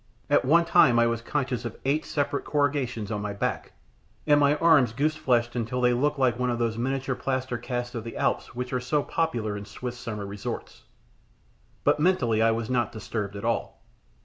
At one time I was conscious of eight separate corrugations on my back, and my arms goose fleshed until they looked like one of those miniature plaster casts of the Alps which are so popular in Swiss summer resorts; but mentally I was not disturbed at all.